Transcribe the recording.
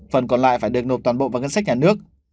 phần còn lại phải được nộp toàn bộ vào ngân sách nhà nước